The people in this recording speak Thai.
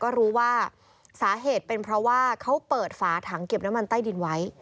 ก็รู้ว่าสาเหตุเป็นเพราะว่าเขาเปิดฝาถังเก็บน้ำมันใต้ดินไว้